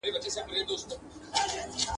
انجنیر سلطان جان کلیوال د ښې شاعرۍ تر څنګ ..